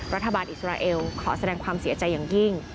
รัฐบาลอิสราเอลขอแสดงความเสียใจอย่างยิ่ง